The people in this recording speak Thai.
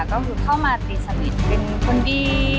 ก็คือเข้ามาตีสนิทเป็นคนดี